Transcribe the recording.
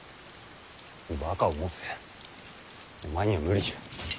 バカを申せお前には無理じゃ。